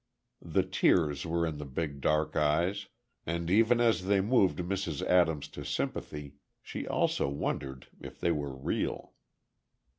The tears were in the big dark eyes, and even as they moved Mrs. Adams to sympathy, she also wondered if they were real.